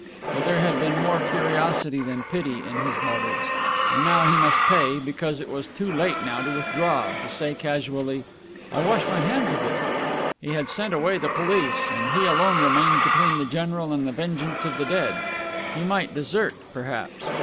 But there had been more curiosity than pity in his motives. And now he must pay, because it was too late now to withdraw, to say casually, "I wash my hands of it." He had sent away the police and he alone remained between the general and the vengeance of the dead! He might desert, perhaps!